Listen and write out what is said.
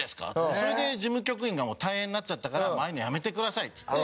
それで事務局員が大変になっちゃったから「ああいうのやめてください」っつって。